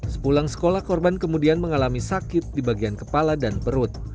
sepulang sekolah korban kemudian mengalami sakit di bagian kepala dan perut